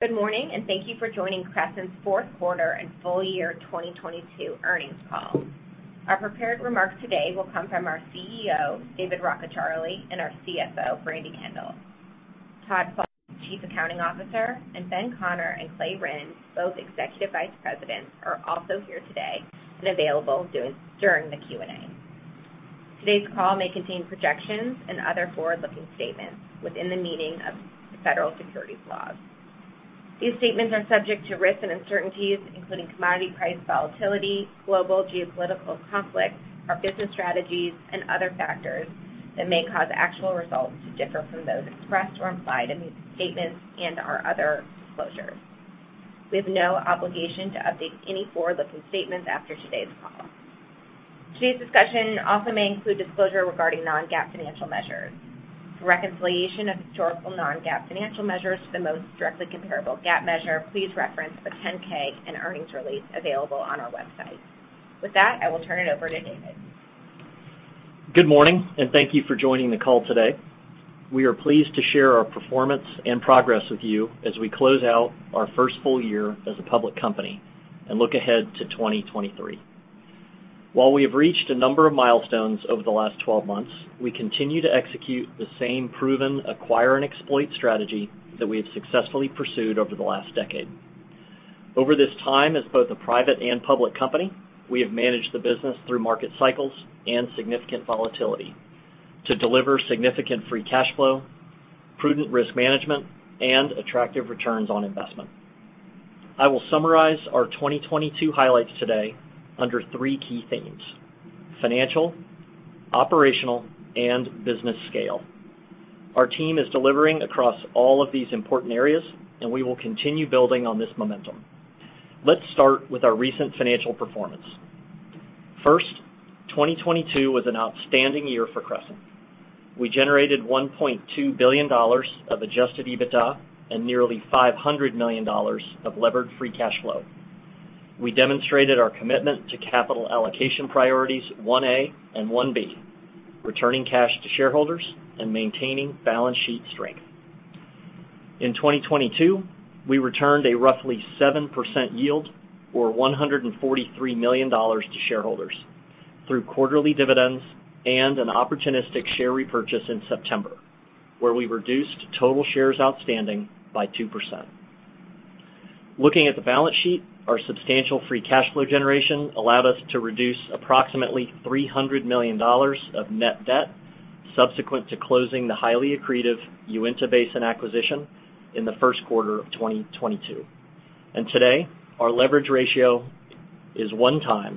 Good morning, and thank you for joining Crescent's Fourth Quarter and Full Year 2022 Earnings Call. Our prepared remarks today will come from our CEO, David Rockecharlie, and our CFO, Brandi Kendall. Todd Falk, Chief Accounting Officer, and Ben Conner and Clay Rynd, both Executive Vice Presidents, are also here today and available during the Q&A. Today's call may contain projections and other forward-looking statements within the meaning of the federal securities laws. These statements are subject to risks and uncertainties, including commodity price volatility, global geopolitical conflicts, our business strategies, and other factors that may cause actual results to differ from those expressed or implied in these statements and our other disclosures. We have no obligation to update any forward-looking statements after today's call. Today's discussion also may include disclosure regarding non-GAAP financial measures. For reconciliation of historical non-GAAP financial measures to the most directly comparable GAAP measure, please reference the 10-K and earnings release available on our website. With that, I will turn it over to David. Good morning, and thank you for joining the call today. We are pleased to share our performance and progress with you as we close out our first full year as a public company and look ahead to 2023. While we have reached a number of milestones over the last 12 months, we continue to execute the same proven acquire and exploit strategy that we have successfully pursued over the last decade. Over this time, as both a private and public company, we have managed the business through market cycles and significant volatility to deliver significant free cash flow, prudent risk management, and attractive returns on investment. I will summarize our 2022 highlights today under three key themes: financial, operational, and business scale. Our team is delivering across all of these important areas, and we will continue building on this momentum. Let's start with our recent financial performance. First, 2022 was an outstanding year for Crescent. We generated $1.2 billion of Adjusted EBITDA and nearly $500 million of levered free cash flow. We demonstrated our commitment to capital allocation priorities 1A and 1B, returning cash to shareholders and maintaining balance sheet strength. In 2022, we returned a roughly 7% yield or $143 million to shareholders through quarterly dividends and an opportunistic share repurchase in September, where we reduced total shares outstanding by 2%. Looking at the balance sheet, our substantial free cash flow generation allowed us to reduce approximately $300 million of net debt subsequent to closing the highly accretive Uinta Basin acquisition in the first quarter of 2022. Today, our leverage ratio is 1x,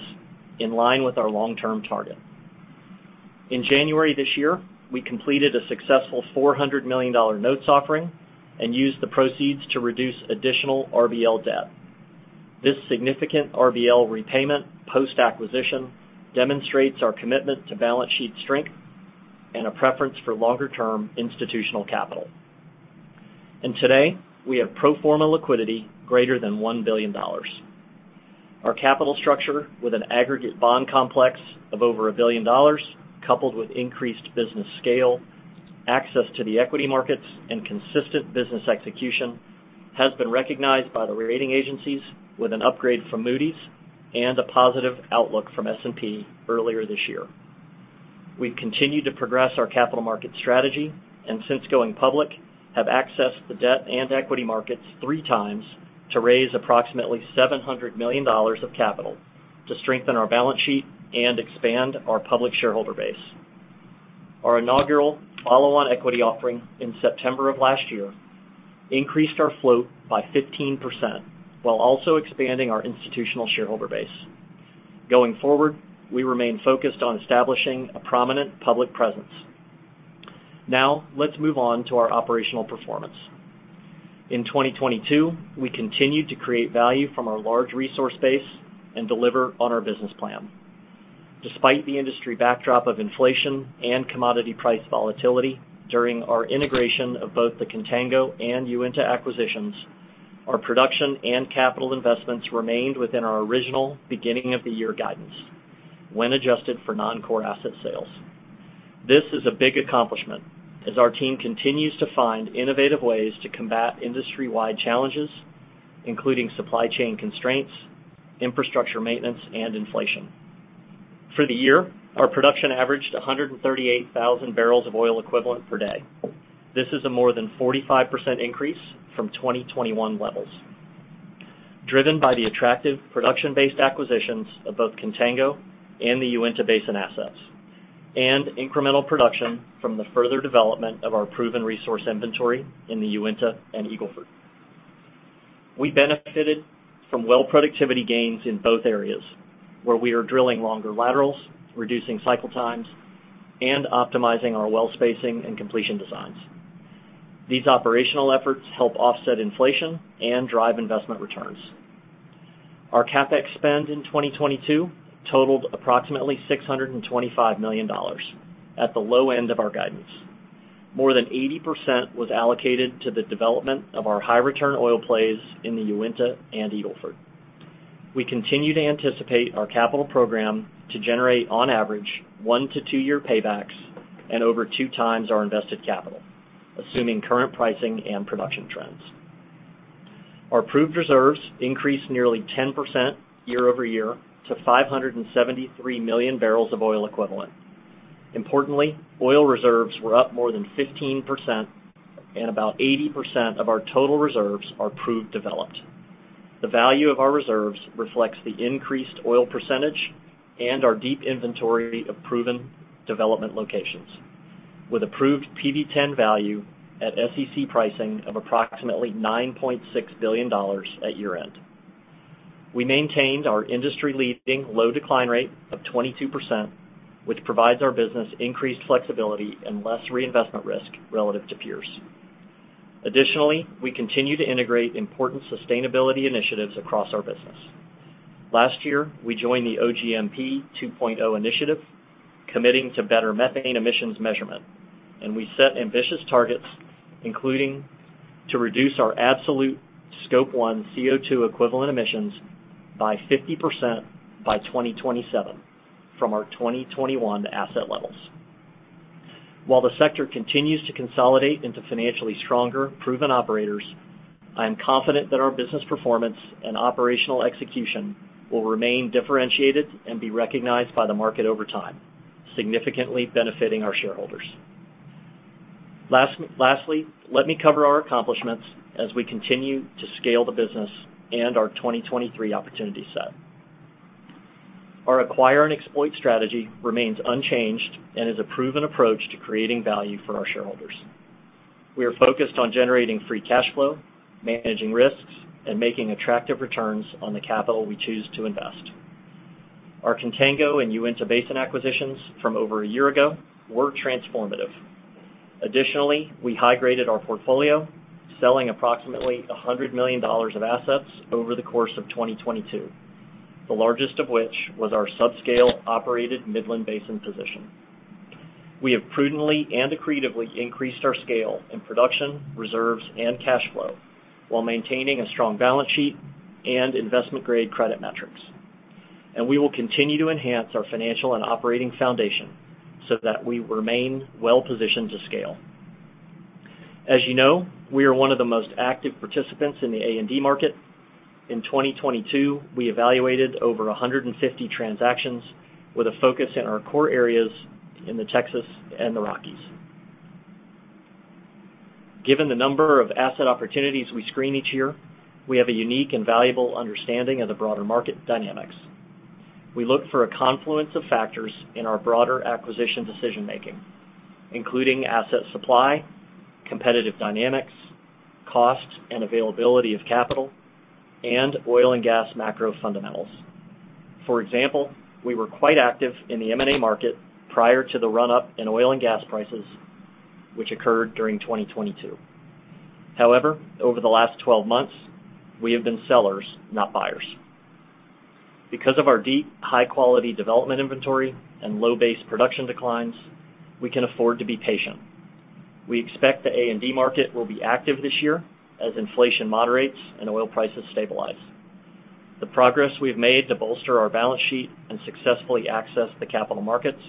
in line with our long-term target. In January this year, we completed a successful $400 million notes offering and used the proceeds to reduce additional RBL debt. This significant RBL repayment post-acquisition demonstrates our commitment to balance sheet strength and a preference for longer-term institutional capital. Today, we have pro forma liquidity greater than $1 billion. Our capital structure with an aggregate bond complex of over $1 billion, coupled with increased business scale, access to the equity markets, and consistent business execution, has been recognized by the rating agencies with an upgrade from Moody's and a positive outlook from S&P earlier this year. We've continued to progress our capital market strategy and since going public, have accessed the debt and equity markets 3x to raise approximately $700 million of capital to strengthen our balance sheet and expand our public shareholder base. Our inaugural follow-on equity offering in September of last year increased our float by 15% while also expanding our institutional shareholder base. Going forward, we remain focused on establishing a prominent public presence. Let's move on to our operational performance. In 2022, we continued to create value from our large resource base and deliver on our business plan. Despite the industry backdrop of inflation and commodity price volatility during our integration of both the Contango and Uinta acquisitions, our production and capital investments remained within our original beginning of the year guidance when adjusted for non-core asset sales. This is a big accomplishment as our team continues to find innovative ways to combat industry-wide challenges, including supply chain constraints, infrastructure maintenance, and inflation. For the year, our production averaged 138,000 bbl of oil equivalent per day. This is a more than 45% increase from 2021 levels, driven by the attractive production-based acquisitions of both Contango and the Uinta Basin assets, and incremental production from the further development of our proven resource inventory in the Uinta and Eagle Ford. We benefited from well productivity gains in both areas, where we are drilling longer laterals, reducing cycle times, and optimizing our well spacing and completion designs. These operational efforts help offset inflation and drive investment returns. Our CapEx spend in 2022 totaled approximately $625 million at the low end of our guidance. More than 80% was allocated to the development of our high-return oil plays in the Uinta and Eagle Ford. We continue to anticipate our capital program to generate on average 1-2 year paybacks and over 2x our invested capital, assuming current pricing and production trends. Our proved reserves increased nearly 10% year-over-year to 573 million bbl of oil equivalent. Importantly, oil reserves were up more than 15% and about 80% of our total reserves are proved developed. The value of our reserves reflects the increased oil percentage and our deep inventory of proven development locations, with approved PV-10 value at SEC pricing of approximately $9.6 billion at year-end. We maintained our industry-leading low decline rate of 22%, which provides our business increased flexibility and less reinvestment risk relative to peers. Additionally, we continue to integrate important sustainability initiatives across our business. Last year, we joined the OGMP 2.0 initiative, committing to better methane emissions measurement. We set ambitious targets, including to reduce our absolute Scope 1 CO2 equivalent emissions by 50% by 2027 from our 2021 asset levels. While the sector continues to consolidate into financially stronger proven operators, I am confident that our business performance and operational execution will remain differentiated and be recognized by the market over time, significantly benefiting our shareholders. Lastly, let me cover our accomplishments as we continue to scale the business and our 2023 opportunity set. Our acquire and exploit strategy remains unchanged and is a proven approach to creating value for our shareholders. We are focused on generating free cash flow, managing risks, and making attractive returns on the capital we choose to invest. Our Contango and Uinta Basin acquisitions from over a year ago were transformative. Additionally, we high-graded our portfolio, selling approximately $100 million of assets over the course of 2022, the largest of which was our subscale operated Midland Basin position. We have prudently and accretively increased our scale in production, reserves, and cash flow while maintaining a strong balance sheet and investment-grade credit metrics. We will continue to enhance our financial and operating foundation so that we remain well-positioned to scale. As you know, we are one of the most active participants in the A&D market. In 2022, we evaluated over 150 transactions with a focus in our core areas in the Texas and the Rockies. Given the number of asset opportunities we screen each year, we have a unique and valuable understanding of the broader market dynamics. We look for a confluence of factors in our broader acquisition decision-making, including asset supply, competitive dynamics, cost and availability of capital, and oil and gas macro fundamentals. For example, we were quite active in the M&A market prior to the run-up in oil and gas prices, which occurred during 2022. However, over the last 12 months, we have been sellers, not buyers. Because of our deep, high-quality development inventory and low base production declines, we can afford to be patient. We expect the A&D market will be active this year as inflation moderates and oil prices stabilize. The progress we've made to bolster our balance sheet and successfully access the capital markets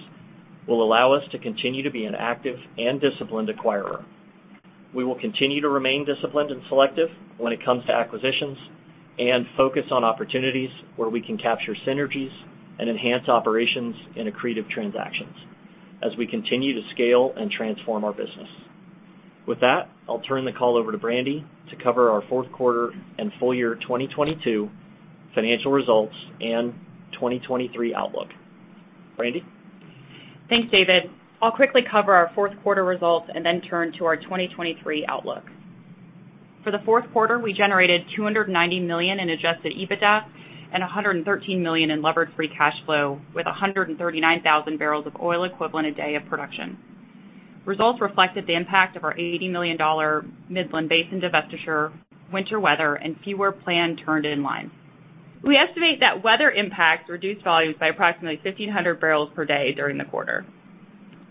will allow us to continue to be an active and disciplined acquirer. We will continue to remain disciplined and selective when it comes to acquisitions and focus on opportunities where we can capture synergies and enhance operations in accretive transactions as we continue to scale and transform our business. With that, I'll turn the call over to Brandi to cover our fourth quarter and full year 2022 financial results and 2023 outlook. Brandi? Thanks, David. I'll quickly cover our fourth quarter results and then turn to our 2023 outlook. For the fourth quarter, we generated $290 million in Adjusted EBITDA and $113 million in levered free cash flow with 139,000 bbl of oil equivalent a day of production. Results reflected the impact of our $80 million Midland Basin divestiture, winter weather, and fewer plan turned in line. We estimate that weather impacts reduced volumes by approximately 1,500 bbl per day during the quarter.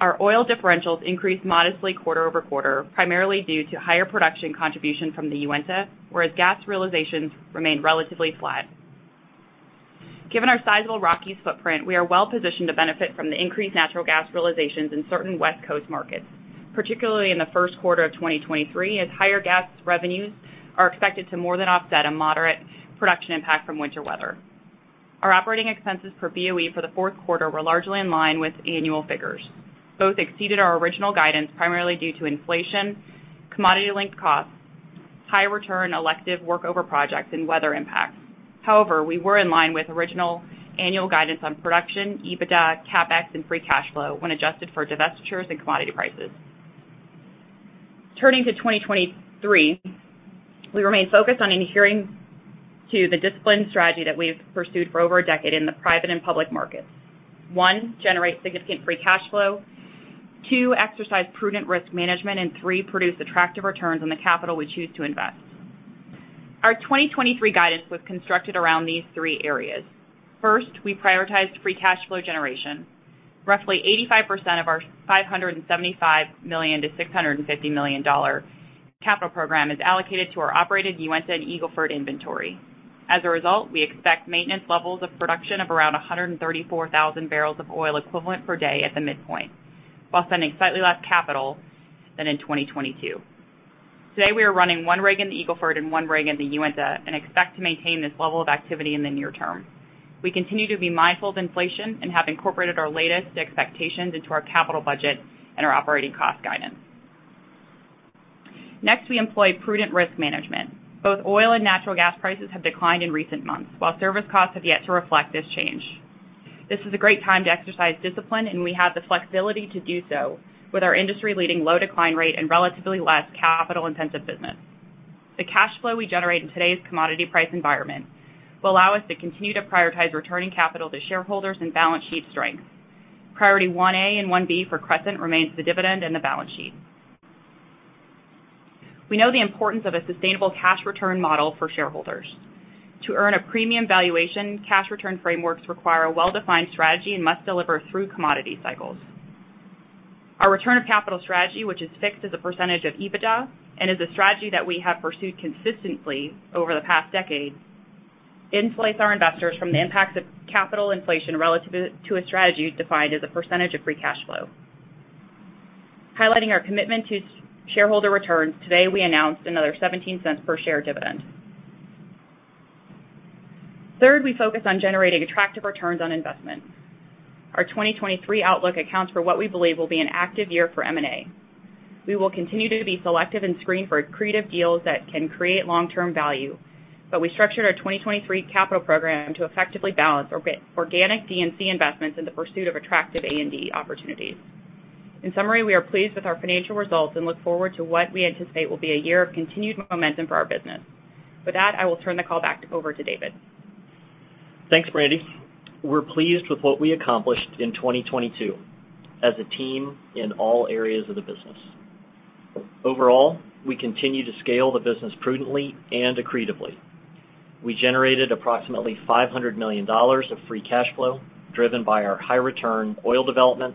Our oil differentials increased modestly quarter-over-quarter, primarily due to higher production contribution from the Uinta, whereas gas realizations remained relatively flat. Given our sizable Rockies footprint, we are well-positioned to benefit from the increased natural gas realizations in certain West Coast markets, particularly in the first quarter of 2023, as higher gas revenues are expected to more than offset a moderate production impact from winter weather. Our operating expenses per BOE for the fourth quarter were largely in line with annual figures. Both exceeded our original guidance primarily due to inflation, commodity-linked costs, high return elective workover projects, and weather impacts. We were in line with original annual guidance on production, EBITDA, CapEx, and free cash flow when adjusted for divestitures and commodity prices. Turning to 2023, we remain focused on adhering to the disciplined strategy that we've pursued for over a decade in the private and public markets. One, generate significant free cash flow. Two, exercise prudent risk management. Three, produce attractive returns on the capital we choose to invest. Our 2023 guidance was constructed around these three areas. First, we prioritized free cash flow generation. Roughly 85% of our $575 million-$650 million capital program is allocated to our operated Uinta and Eagle Ford inventory. As a result, we expect maintenance levels of production of around 134,000 bbl of oil equivalent per day at the midpoint, while spending slightly less capital than in 2022. Today, we are running one rig in the Eagle Ford and one rig in the Uinta, and expect to maintain this level of activity in the near term. We continue to be mindful of inflation and have incorporated our latest expectations into our capital budget and our operating cost guidance. Next, we employ prudent risk management. Both oil and natural gas prices have declined in recent months, while service costs have yet to reflect this change. This is a great time to exercise discipline, and we have the flexibility to do so with our industry-leading low decline rate and relatively less capital-intensive business. The cash flow we generate in today's commodity price environment will allow us to continue to prioritize returning capital to shareholders and balance sheet strength. Priority 1A and 1B for Crescent remains the dividend and the balance sheet. We know the importance of a sustainable cash return model for shareholders. To earn a premium valuation, cash return frameworks require a well-defined strategy and must deliver through commodity cycles. Our return of capital strategy, which is fixed as a percentage of EBITDA and is a strategy that we have pursued consistently over the past decade, insulates our investors from the impacts of capital inflation relative to a strategy defined as a percentage of free cash flow. Highlighting our commitment to shareholder returns, today, we announced another $0.17 per share dividend. Third, we focus on generating attractive returns on investment. Our 2023 outlook accounts for what we believe will be an active year for M&A. We will continue to be selective and screen for accretive deals that can create long-term value, we structured our 2023 capital program to effectively balance organic D&C investments in the pursuit of attractive A&D opportunities. In summary, we are pleased with our financial results and look forward to what we anticipate will be a year of continued momentum for our business. With that, I will turn the call back over to David. Thanks, Brandi. We're pleased with what we accomplished in 2022 as a team in all areas of the business. Overall, we continue to scale the business prudently and accretively. We generated approximately $500 million of free cash flow driven by our high-return oil development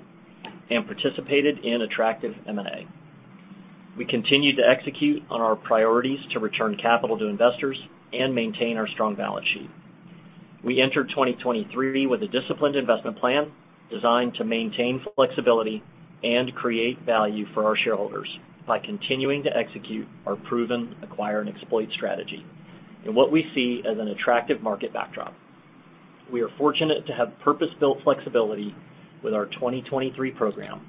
and participated in attractive M&A. We continue to execute on our priorities to return capital to investors and maintain our strong balance sheet. We entered 2023 with a disciplined investment plan designed to maintain flexibility and create value for our shareholders by continuing to execute our proven acquire and exploit strategy in what we see as an attractive market backdrop. We are fortunate to have purpose-built flexibility with our 2023 program,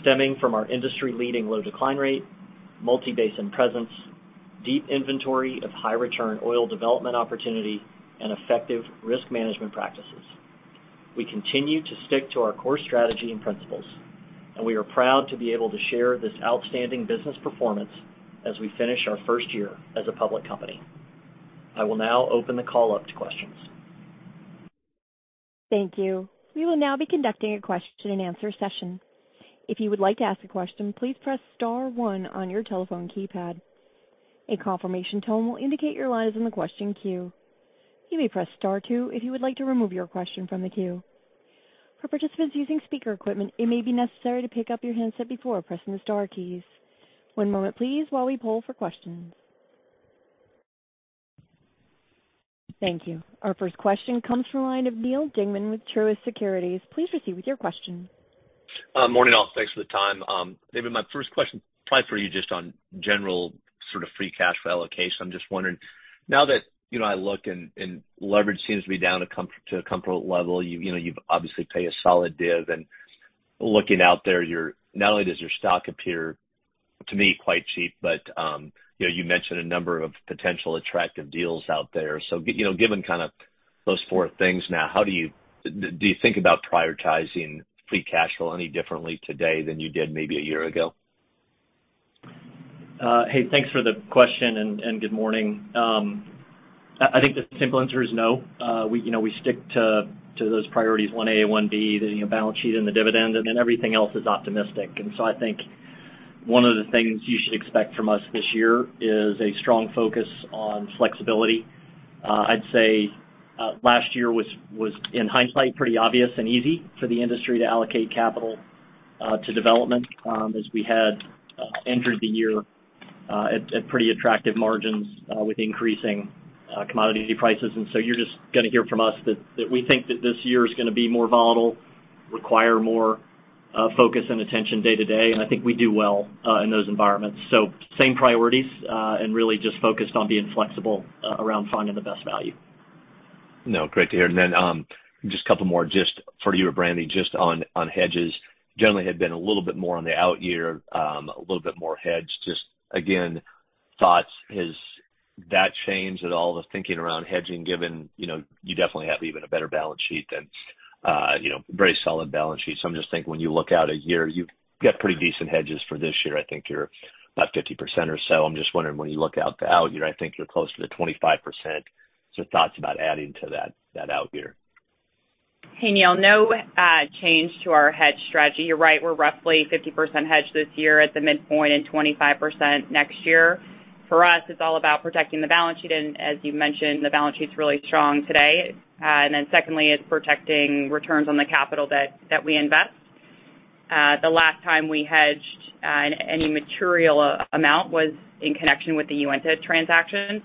stemming from our industry-leading low decline rate, multi-basin presence, deep inventory of high-return oil development opportunity, and effective risk management practices. We continue to stick to our core strategy and principles, and we are proud to be able to share this outstanding business performance as we finish our first year as a public company. I will now open the call up to questions. Thank you. We will now be conducting a question-and-answer session. If you would like to ask a question, please press star 1 on your telephone keypad. A confirmation tone will indicate your line is in the question queue. You may press star 2 if you would like to remove your question from the queue. For participants using speaker equipment, it may be necessary to pick up your handset before pressing the star keys. One moment please while we poll for questions. Thank you. Our first question comes from the line of Neal Dingmann with Truist Securities. Please proceed with your question. Morning, all. Thanks for the time. David, my first question probably for you just on general sort of free cash flow allocation. I'm just wondering, now that, you know, I look and leverage seems to be down to a comfortable level. You know, you obviously pay a solid div. Looking out there, not only does your stock appear, to me, quite cheap, but, you know, you mentioned a number of potential attractive deals out there. Given kind of those 4 things now, how do you think about prioritizing free cash flow any differently today than you did maybe a year ago? Hey, thanks for the question, and good morning. I think the simple answer is no. We, you know, we stick to those priorities 1A and 1B, the, you know, balance sheet and the dividend, and then everything else is optimistic. I think one of the things you should expect from us this year is a strong focus on flexibility. I'd say, last year was, in hindsight, pretty obvious and easy for the industry to allocate capital, to development, as we had entered the year, at pretty attractive margins, with increasing commodity prices. You're just gonna hear from us that we think that this year is gonna be more volatile, require more focus and attention day to day, and I think we do well in those environments. Same priorities, and really just focused on being flexible around finding the best value. No, great to hear. Just a couple more just for you, Brandi, just on hedges. Generally had been a little bit more on the out year, a little bit more hedged. Thoughts. Has that changed at all, the thinking around hedging, given, you know, you definitely have even a better balance sheet than, you know, very solid balance sheet. I'm just thinking, when you look out a year, you've got pretty decent hedges for this year. I think you're about 50% or so. I'm just wondering, when you look out the out year, I think you're closer to 25%. Thoughts about adding to that out year. Hey, Neal. No, change to our hedge strategy. You're right, we're roughly 50% hedged this year at the midpoint and 25% next year. For us, it's all about protecting the balance sheet. As you mentioned, the balance sheet's really strong today. Secondly, it's protecting returns on the capital that we invest. The last time we hedged any material amount was in connection with the Uinta transaction.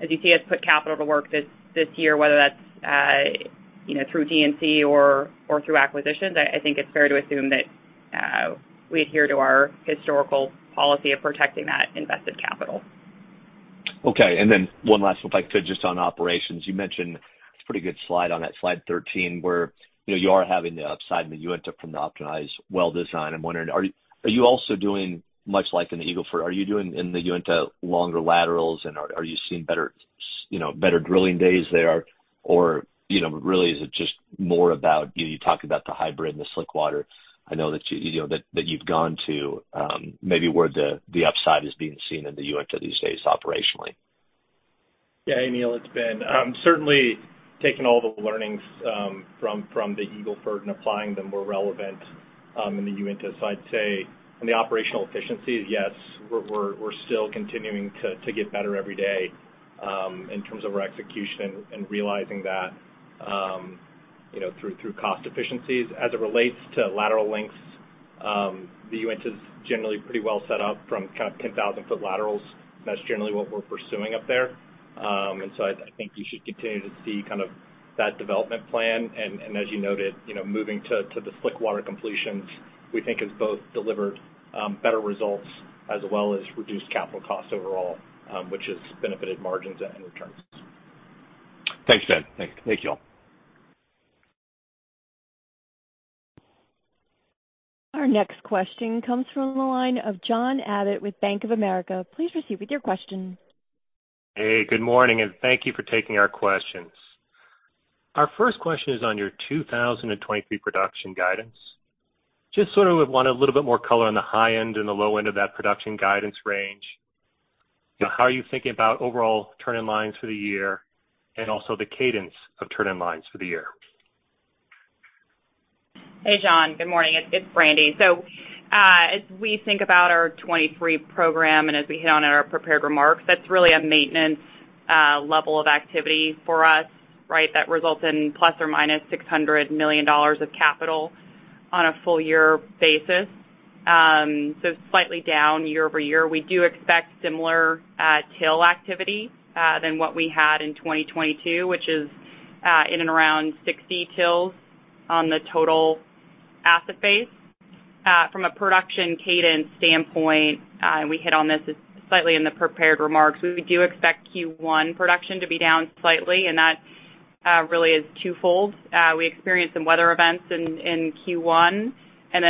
As you see us put capital to work this year, whether that's, you know, through G&P or through acquisitions, I think it's fair to assume that we adhere to our historical policy of protecting that invested capital. Okay. One last, if I could, just on operations. It's a pretty good slide on that slide 13, where, you know, you are having the upside in the Uinta from the optimized well design. I'm wondering, are you also doing much like in the Eagle Ford? Are you doing in the Uinta longer laterals, and are you seeing better, you know, better drilling days there? You know, really, is it just more about, you know, you talk about the hybrid and the slickwater. I know that, you know, you've gone to maybe where the upside is being seen in the Uinta these days operationally. Yeah. Hey, Neal, it's Ben. certainly taking all the learnings from the Eagle Ford and applying them where relevant in the Uinta. I'd say on the operational efficiencies, yes, we're still continuing to get better every day in terms of our execution and realizing that, you know, through cost efficiencies. As it relates to lateral lengths, the Uinta's generally pretty well set up from kind of 10,000 foot laterals. That's generally what we're pursuing up there. I think you should continue to see kind of that development plan. As you noted, you know, moving to the slickwater completions, we think has both delivered better results as well as reduced capital costs overall, which has benefited margins and returns. Thanks, Ben. Thank you all. Our next question comes from the line of John Abbott with Bank of America. Please proceed with your question. Hey, good morning, and thank you for taking our questions. Our first question is on your 2023 production guidance. Just sort of would want a little bit more color on the high end and the low end of that production guidance range. You know, how are you thinking about overall turn-in-lines for the year and also the cadence of turn-in-lines for the year? Hey, John. Good morning. It's Brandi. As we think about our 2023 program and as we hit on in our prepared remarks, that's really a maintenance level of activity for us, right? That results in ±$600 million of capital on a full year basis. Slightly down year-over-year. We do expect similar TIL activity than what we had in 2022, which is in and around 60 wells on the total asset base. From a production cadence standpoint, and we hit on this as slightly in the prepared remarks, we do expect Q1 production to be down slightly, and that really is twofold. We experienced some weather events in Q1,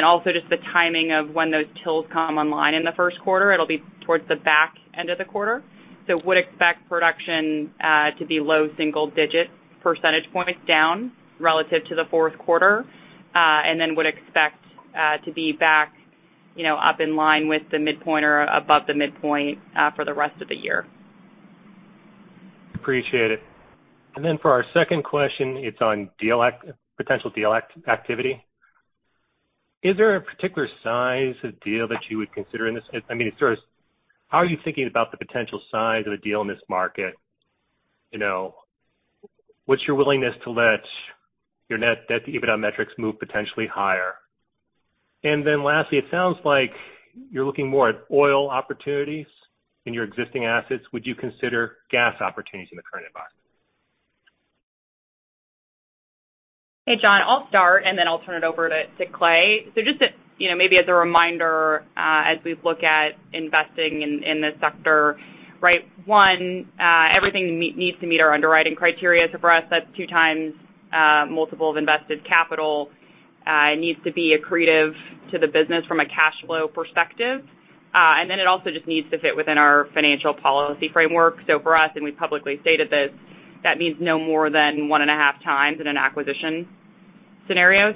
also just the timing of when those wells come online in the first quarter. It'll be towards the back end of the quarter. Would expect production to be low single-digit percentage points down relative to the fourth quarter, and then would expect to be back, you know, up in line with the midpoint or above the midpoint for the rest of the year. Appreciate it. For our second question, it's on potential deal activity. Is there a particular size of deal that you would consider in this? I mean, sort of how are you thinking about the potential size of a deal in this market? You know, what's your willingness to let your net debt to EBITDA metrics move potentially higher? Lastly, it sounds like you're looking more at oil opportunities in your existing assets. Would you consider gas opportunities in the current environment? Hey, John, I'll start, and then I'll turn it over to Clay. Just to, you know, maybe as a reminder, as we look at investing in this sector, right? One, everything needs to meet our underwriting criteria. For us, that's 2x multiple of invested capital. It needs to be accretive to the business from a cash flow perspective. It also just needs to fit within our financial policy framework. For us, and we publicly stated this, that means no more than 1.5x in an acquisition scenario.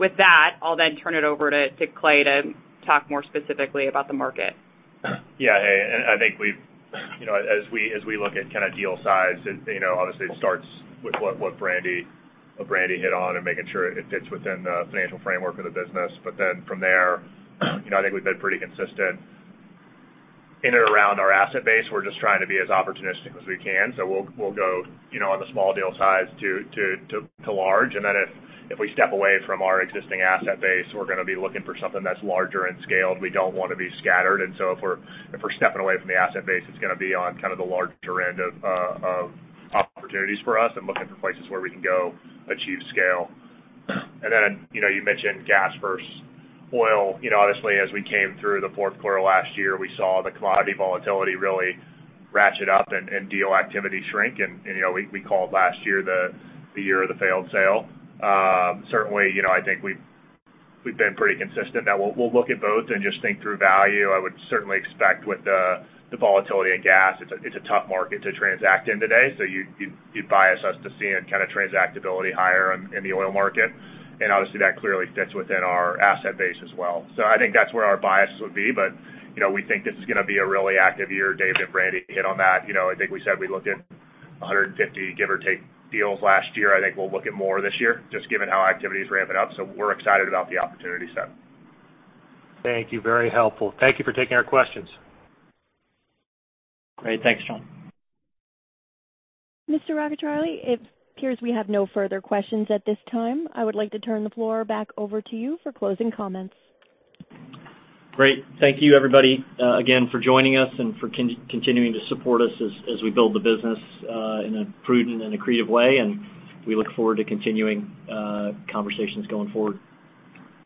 With that, I'll then turn it over to Clay to talk more specifically about the market. Yeah. Hey. You know, as we, as we look at kind of deal size, it, you know, obviously it starts with what Brandi hit on and making sure it fits within the financial framework of the business. From there, you know, I think we've been pretty consistent in and around our asset base. We're just trying to be as opportunistic as we can. We'll go, you know, on the small deal size to large. If we step away from our existing asset base, we're gonna be looking for something that's larger in scale. We don't wanna be scattered. If we're stepping away from the asset base, it's gonna be on kind of the larger end of opportunities for us and looking for places where we can go achieve scale. You know, you mentioned gas versus oil. You know, honestly, as we came through the fourth quarter last year, we saw the commodity volatility really ratchet up and deal activity shrink. You know, we called last year the year of the failed sale. Certainly, you know, I think we've been pretty consistent that we'll look at both and just think through value. I would certainly expect with the volatility in gas, it's a tough market to transact in today. You'd bias us to seeing kinda transactability higher in the oil market. Obviously, that clearly fits within our asset base as well. I think that's where our biases would be, but, you know, we think this is gonna be a really active year. David and Brandi hit on that. You know, I think we said we looked at 150, give or take, deals last year. I think we'll look at more this year just given how activity is ramping up. We're excited about the opportunity set. Thank you. Very helpful. Thank you for taking our questions. Great. Thanks, John. Mr. Rockecharlie, it appears we have no further questions at this time. I would like to turn the floor back over to you for closing comments. Great. Thank you, everybody, again for joining us and for continuing to support us as we build the business, in a prudent and accretive way. We look forward to continuing conversations going forward.